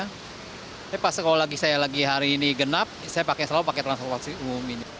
tapi pas kalau saya lagi hari ini genap saya selalu pakai transportasi umum ini